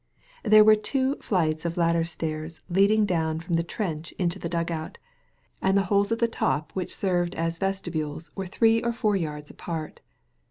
There were two flights of ladder stairs leading down from the trench into the dugout, and the holes at the top which served as vestibules were 130 THE VALLEY OF VISION three or four yards apart.